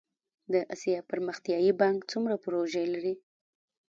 د اسیا پرمختیایی بانک څومره پروژې لري؟